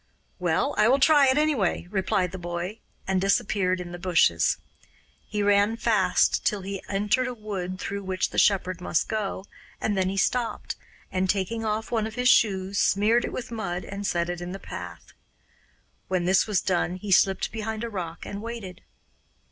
'Well, I will try it, anyway,' replied the boy, and disappeared in the bushes. He ran fast till he entered a wood through which the shepherd must go, and then he stopped, and taking off one of his shoes smeared it with mud and set it in the path. When this was done he slipped behind a rock and waited.